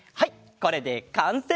これでかんせい！